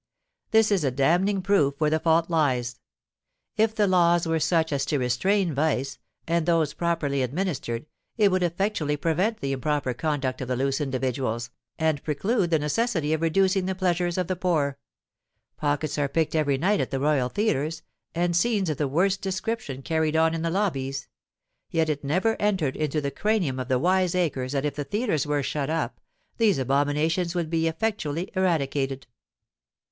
This is a damning proof where the fault lies; if the laws were such as to restrain vice, and those properly administered, it would effectually prevent the improper conduct of the loose individuals, and preclude the necessity of reducing the pleasures of the poor; pockets are picked every night at the royal theatres, and scenes of the worst description carried on in the lobbies; yet it never entered into the cranium of the wiseacres that if the theatres were shut up, these abominations would be effectually eradicated.